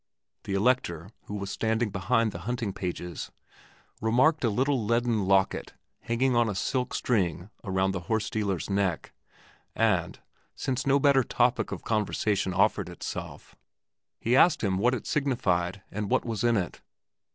The Elector, who was standing behind the hunting pages, remarked a little leaden locket hanging on a silk string around the horse dealer's neck, and, since no better topic of conversation offered itself, he asked him what it signified and what was in it.